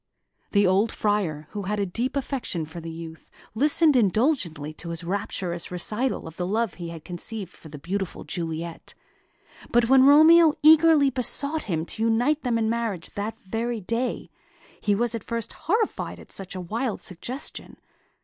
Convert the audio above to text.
The old Friar, who had a deep affection for the youth, listened indulgently to his rapturous recital of the love he had conceived for the beautiful Juliet; but when Romeo eagerly besought him to unite them in marriage that very day, he was at first horrified at such a wild suggestion.